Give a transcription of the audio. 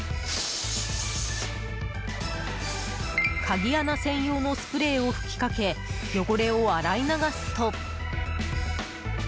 鍵穴専用のスプレーを吹きかけ汚れを洗い流すと。